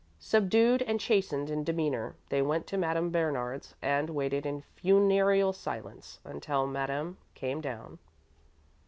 Subdued and chastened in demeanour, they went to Madame Bernard's and waited in funereal silence until Madame came down.